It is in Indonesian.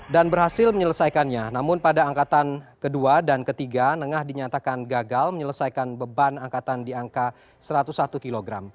dan berhasil menyelesaikannya namun pada angkatan kedua dan ketiga nenengah dinyatakan gagal menyelesaikan beban angkatan di angka satu ratus satu kg